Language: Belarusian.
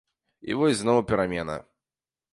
І вось зноў перамена.